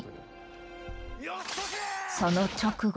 その直後。